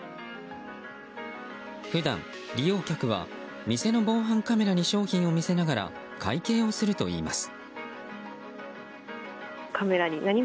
普段、利用客は店の防犯カメラに商品を見せながら会計をするといいます。